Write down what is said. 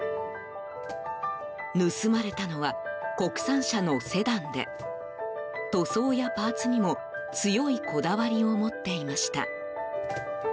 盗まれたのは国産車のセダンで塗装やパーツにも強いこだわりを持っていました。